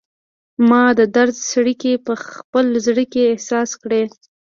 ما د درد څړیکې په خپل زړه کې احساس کړي